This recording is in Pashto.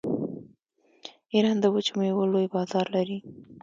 ایران د وچو میوو لوی بازار لري.